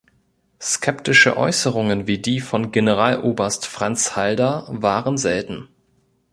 Skeptische Äußerungen wie die von Generaloberst Franz Halder waren selten.